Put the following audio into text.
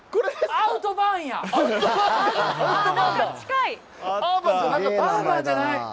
「アーバン」じゃない。